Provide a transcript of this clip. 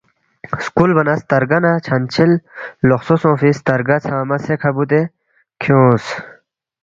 سکُولبا نہ سترگہ نہ چھن چِھل لوقسو سونگفی سترگہ ژھنگمہ سے کھہ بُودے کھیونگس